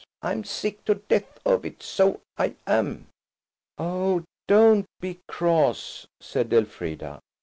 I'm sick to death of it, so I am." "Oh, don't be cross," said Elfrida.